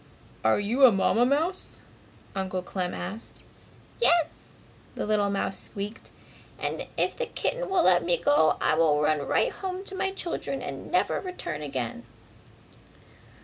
"Are you a Mamma mouse?" Uncle Clem asked. "Yes!" the little mouse squeaked, "and if the kitten will let me go I will run right home to my children and never return again!"